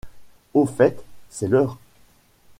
Au fait, c’est l’heure.